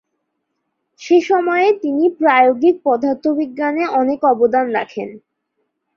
সেসময়ে তিনি প্রায়োগিক পদার্থবিজ্ঞানে অনেক অবদান রাখেন।